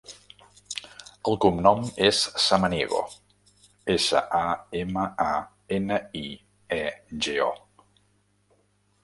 El cognom és Samaniego: essa, a, ema, a, ena, i, e, ge, o.